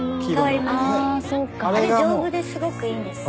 あれ丈夫ですごくいいんです。